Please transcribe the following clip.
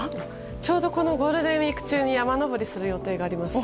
ちょうどこのゴールデンウィーク中に山登りする予定があります。